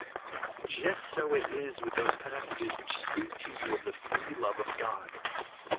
Just so is it with those passages which speak to you of the free love of God.